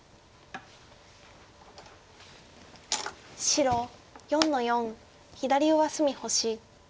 白４の四左上隅星。